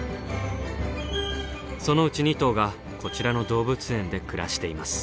そのうち２頭がこちらの動物園で暮らしています。